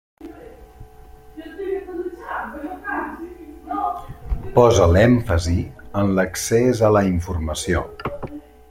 Posa l'èmfasi en l'accés a la informació.